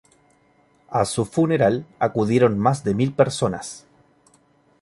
A su funeral acudieron más de mil personas.